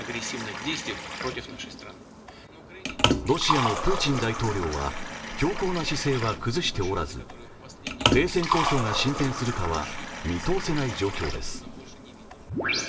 ロシアのプーチン大統領は強硬な姿勢は崩しておらず停戦交渉が進展するかは、見通せない状況です。